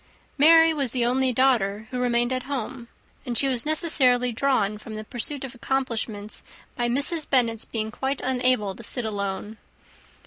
Mary was the only daughter who remained at home; and she was necessarily drawn from the pursuit of accomplishments by Mrs. Bennet's being quite unable to sit alone.